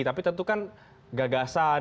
tapi tentu kan gagasan dan juga kegagasan